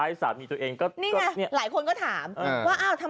ว่านี่คือนี่คือเป็นกิคหรอ